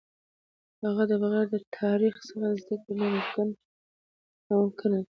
د هغه بغیر د تاریخ څخه زده کړه ناممکن ده.